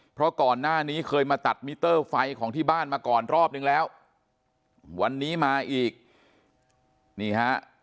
เพราะก่อนหน้านี้เคยมาตัดมิเตอร์ไฟของที่บ้านมาก่อนรอบนึงแล้ววันนี้มาอีกนี่ฮะ